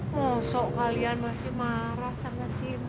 masuk kalian masih marah sama simba